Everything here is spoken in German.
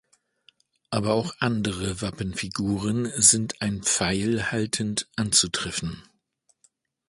Aber auch andere Wappenfiguren sind einen Pfeil haltend anzutreffen.